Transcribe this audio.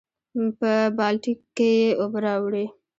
پۀ بالټي کښې ئې اوبۀ راوړې ـ